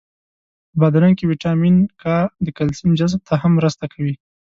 په بادرنګ کی ویټامین کا د کلسیم جذب ته هم مرسته کوي.